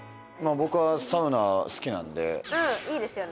僕はサウナ好きなんでうんいいですよね